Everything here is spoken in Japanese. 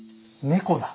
猫だ！